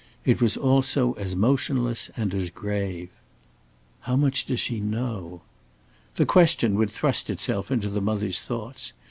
It was also as motionless and as grave. "How much does she know?" The question would thrust itself into the mother's thoughts.